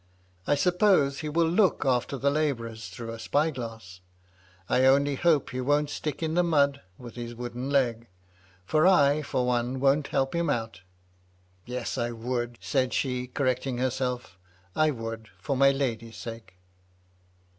I suppose he will look after the labourers through a spy glass. I only hope he won't stick in the mud with his wooden leg ; for I, for one, won't help him out Yes, I would," said she, correct ing herself; " I would, for my lady's sake."